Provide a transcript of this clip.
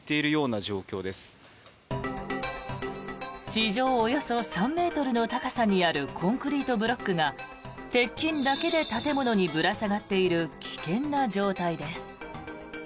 地上およそ３ｍの高さにあるコンクリートブロックが鉄筋だけで建物にぶら下がっている危険な状態です。